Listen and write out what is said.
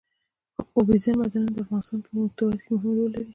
اوبزین معدنونه د افغانستان په طبیعت کې مهم رول لري.